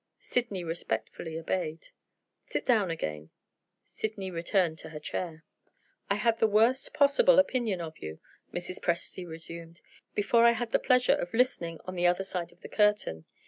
Sydney respectfully obeyed. "Sit down again." Sydney returned to her chair. "I had the worst possible opinion of you," Mrs. Presty resumed, "before I had the pleasure of listening on the other side of the curtain.